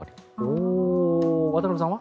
渡辺さんは？